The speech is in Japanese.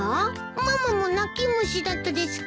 ママも泣き虫だったですか？